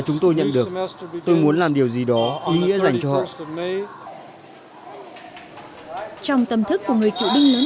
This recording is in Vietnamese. chúng tôi nhận được tôi muốn làm điều gì đó ý nghĩa dành cho họ trong tâm thức của người cựu binh nữ